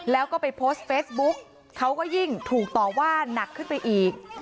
แล้วก็ไปโพสต์เฟซบุ๊กเขาก็ยิ่งถูกต่อว่านักขึ้นไปอีก